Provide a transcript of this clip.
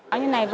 ở như này vô